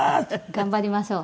頑張りましょう。